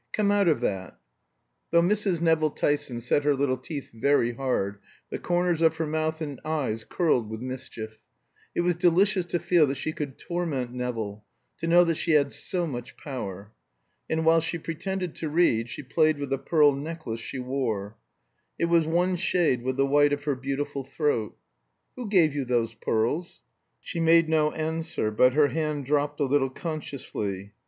Come out of that." Though Mrs. Nevill Tyson set her little teeth very hard, the corners of her mouth and eyes curled with mischief. It was delicious to feel that she could torment Nevill, to know that she had so much power. And while she pretended to read she played with the pearl necklace she wore. It was one shade with the white of her beautiful throat. "Who gave you those pearls?" She made no answer, but her hand dropped a little consciously.